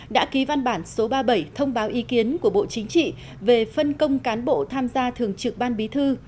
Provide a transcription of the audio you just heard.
đã ký văn bản số ba mươi bảy thông báo ý kiến của bộ chính trị về phân công cán bộ tham gia thường trực ban bí thư